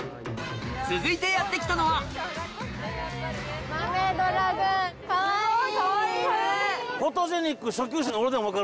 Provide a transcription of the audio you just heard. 続いてやって来たのはすごいかわいい！